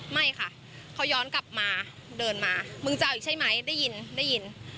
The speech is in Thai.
ไม่ค่ะเขาย้อนกลับมาเดินมามึงจะเอาอีกใช่ไหมได้ยินได้ยิน